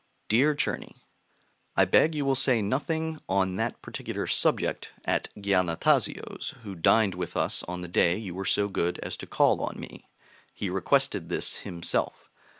DEAR CZERNY, I beg you will say nothing on that particular subject at Giannatasio's, who dined with us on the day you were so good as to call on me; he requested this himself.